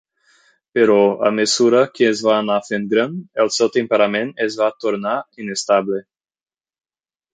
Però a mesura que es va anar fent gran, el seu temperament es va tornar inestable.